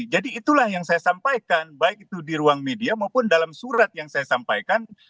jadi itulah yang saya sampaikan baik itu di ruang media maupun dalam surat yang saya sampaikan